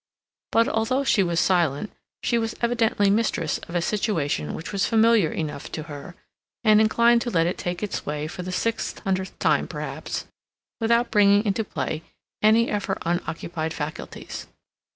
But although she was silent, she was evidently mistress of a situation which was familiar enough to her, and inclined to let it take its way for the six hundredth time, perhaps, without bringing into play any of her unoccupied faculties.